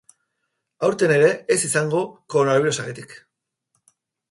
Aurten ere ez izango, koronabirusagatik.